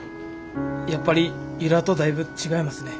やっぱり由良とだいぶ違いますね。